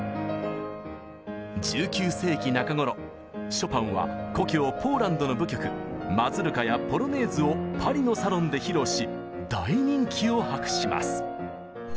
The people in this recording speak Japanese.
ショパンは故郷ポーランドの舞曲マズルカやポロネーズをパリのサロンで披露し大人気を博します。